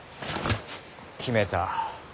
決めた。